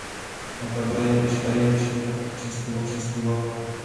Napadla jej myšlenka fotografovat občanskou válku.